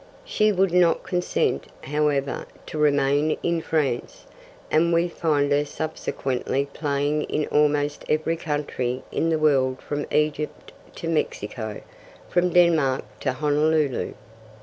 She would not consent, however, to remain in France, and we find her subsequently playing in almost every country in the world from Egypt to Mexico, from Denmark to Honolulu.